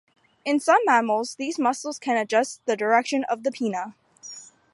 In some mammals these muscles can adjust the direction of the pinna.